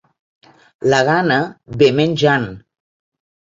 La gana ve menjant.